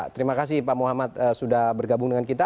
terima kasih pak muhammad sudah bergabung dengan kita